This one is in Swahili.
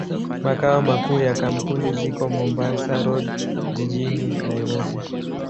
Makao makuu ya kampuni ziko Mombasa Road, jijini Nairobi.